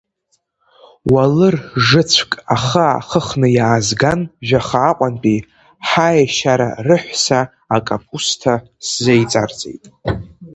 Уалыр жыцәк ахы аахыхны иаазган жәаха Аҟәантәи, ҳаешьара рыҳәса акапусҭа сзеиҵарҵеит.